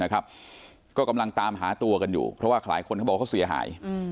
ก็กำลังตามหาตัวกันอยู่เพราะว่าหลายคนเขาบอกว่าเขาเสียหาย